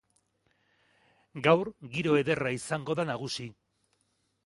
Gaur, giro ederra izango da nagusi.